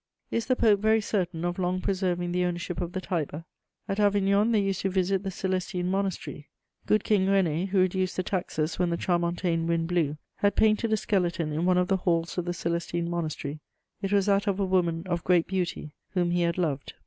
Is the Pope very certain of long preserving the ownership of the Tiber? At Avignon they used to visit the Celestine monastery. Good King René, who reduced the taxes when the tramontane wind blew, had painted a skeleton in one of the halls of the Celestine monastery: it was that of a woman of great beauty whom he had loved.